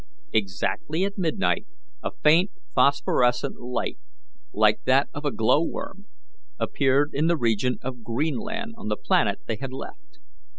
Exactly at midnight a faint phosphorescent light, like that of a glow worm, appeared in the region of Greenland on the planet they had left.